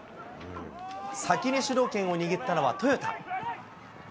先に主導権を握ったのはトヨタ。